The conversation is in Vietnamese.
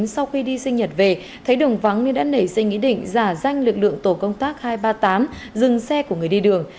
sau khi đi sinh nhật về thấy đường vắng nên đã nảy sinh ý định giả danh lực lượng tổ công tác hai trăm ba mươi tám dừng xe của người đi đường